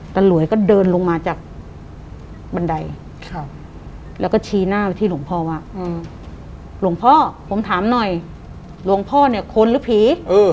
หลวยก็เดินลงมาจากบันไดแล้วก็ชี้หน้าไปที่หลวงพ่อว่าหลวงพ่อผมถามหน่อยหลวงพ่อเนี่ยคนหรือผี